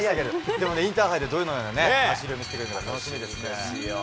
でもインターハイでどんな走りを見せてくれるのか楽しみですね。